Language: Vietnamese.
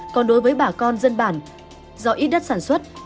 còn đối với bà con dân bản do ít đất sản xuất